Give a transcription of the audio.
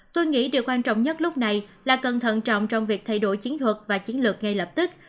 tôi nghĩ điều quan trọng nhất lúc này là cần thận trọng trong việc thay đổi chiến thuật và chiến lược ngay lập tức